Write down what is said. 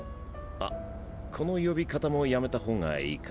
あこの呼び方もやめたほうがいいか。